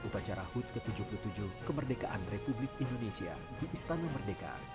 upacara hud ke tujuh puluh tujuh kemerdekaan republik indonesia di istana merdeka